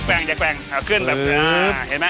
แปลงแปลงขึ้นแปลงอ่าเห็นไหม